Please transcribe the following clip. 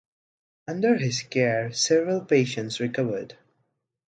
Under his care several patients recovered.